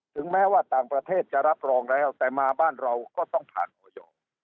ถึงแม้ว่าต่างประเทศจะรับรองแล้วแต่มาบ้านเราก็ต้องผ่านออย